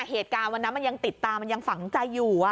เหตุการณ์วันนั้นมันยังติดตามันยังฝังใจอยู่